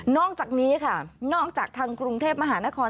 อกจากนี้ค่ะนอกจากทางกรุงเทพมหานคร